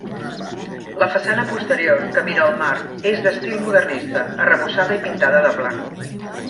La façana posterior, que mira al mar, és d'estil modernista, arrebossada i pintada de blanc.